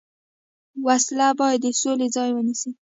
وسله باید د سولې ځای ونیسي